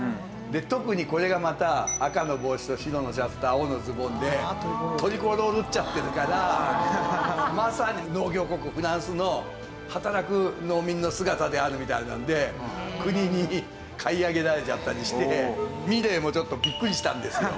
特にこれがまた赤の帽子と白のシャツと青のズボンでトリコロールっちゃってるからまさに農業国フランスの働く農民の姿であるみたいなので国に買い上げられちゃったりしてミレーもちょっとビックリしたんですよ。